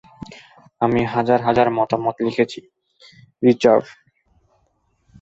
আমি হাজার হাজার মতামত লিখেছি, রিচার্ড।